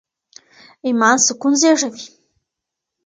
ایمان سکون زېږوي.